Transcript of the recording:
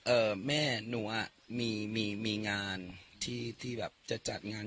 แม่หนูอ่ะมีมีงานที่ที่แบบจะจัดงาน